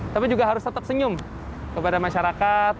tapi juga harus tetap senyum kepada masyarakat